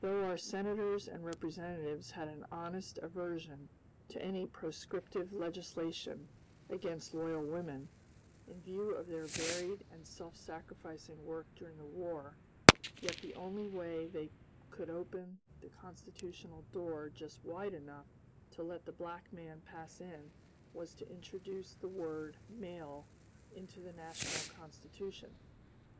Though our senators and representatives had an honest aversion to any proscriptive legislation against loyal women, in view of their varied and self sacrificing work during the War, yet the only way they could open the constitutional door just wide enough to let the black man pass in was to introduce the word "male" into the national Constitution.